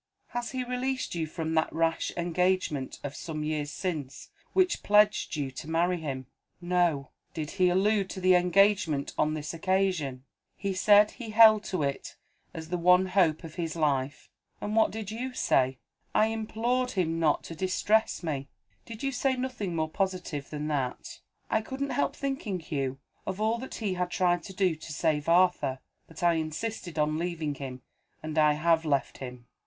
"Has he released you from that rash engagement, of some years since, which pledged you to marry him?" "No." "Did he allude to the engagement, on this occasion?" "He said he held to it as the one hope of his life." "And what did you say?" "I implored him not to distress me." "Did you say nothing more positive than that?" "I couldn't help thinking, Hugh, of all that he had tried to do to save Arthur. But I insisted on leaving him and I have left him."